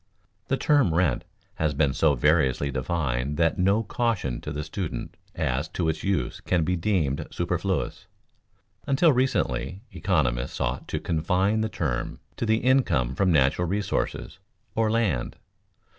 _ The term rent has been so variously defined that no caution to the student as to its use can be deemed superfluous. Until recently economists sought to confine the term to the income from natural resources (or land).